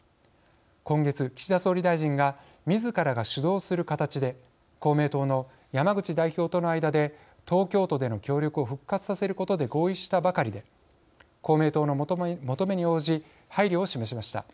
今月岸田総理大臣がみずからが主導する形で公明党の山口代表との間で東京都での協力を復活させることで合意したばかりで公明党の求めに応じ配慮を示しました。